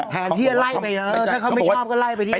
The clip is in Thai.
ถ้าเขาไม่ชอบก็ไล่ไปที่อื่น